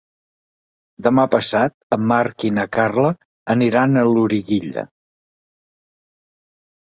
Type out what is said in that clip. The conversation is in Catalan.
Demà passat en Marc i na Carla aniran a Loriguilla.